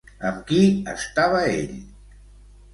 Amb qui estava ell?